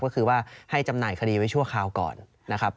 ก็คือว่าให้จำหน่ายคดีไว้ชั่วคราวก่อนนะครับ